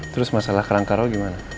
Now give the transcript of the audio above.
terus masalah kerangkaro gimana